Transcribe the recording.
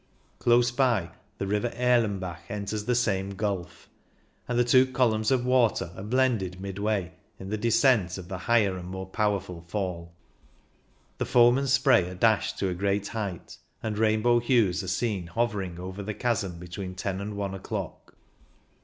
Close by the river Aerlenbach enters the same gulf, and the two columns of water are blended midway in the descent of the 142 CYCLING IN THE ALPS higher and more powerful fall. The foam and spray are dashed to a great height, and rainbow hues are seen hovering over the chasm between ten and one o'clock.